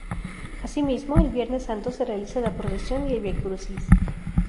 Así mismo el viernes santo se realiza la procesión y el viacrucis.